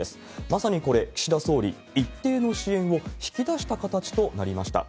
まさにこれ、岸田総理、一定の支援を引き出した形となりました。